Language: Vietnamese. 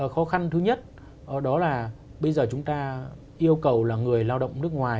khó khăn thứ nhất đó là bây giờ chúng ta yêu cầu là người lao động nước ngoài